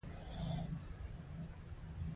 دا کار د مقرراتو مطابق په تخصیصاتو کې کوي.